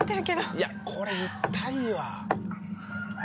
いやこれ痛いわ。